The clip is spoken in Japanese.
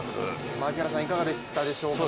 槙原さん、いかがでしたでしょうか